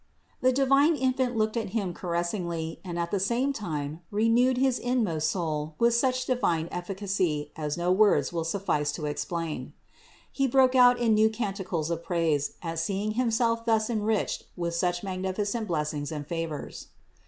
The divine Infant looked at him caressingly and at the same time renewed his inmost soul with such divine ef ficacy as no words will suffice to explain. He broke out in new canticles of praise at seeing himself thus en riched with such magnificent blessings and favors.